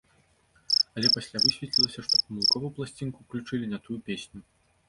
Але пасля высветлілася, што памылкова ў пласцінку ўключылі не тую песню.